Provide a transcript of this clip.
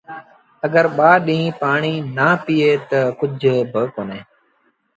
اَگر ٻآ ڏيٚݩهݩ پآڻيٚ نا پيٚئي تا ڪجھ با ڪونهي۔